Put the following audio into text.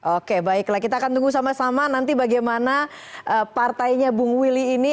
oke baiklah kita akan tunggu sama sama nanti bagaimana partainya bung willy ini